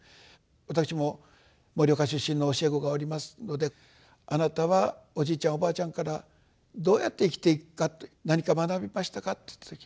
私も盛岡出身の教え子がおりますので「あなたはおじいちゃんおばあちゃんからどうやって生きていくか何か学びましたか？」と。